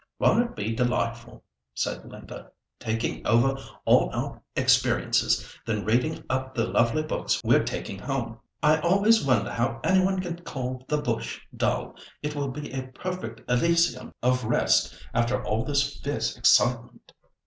"Won't it be delightful," said Linda, "talking over all our experiences? Then reading up the lovely books we're taking home. I always wonder how any one can call "the bush" dull. It will be a perfect elysium of rest after all this fierce excitement."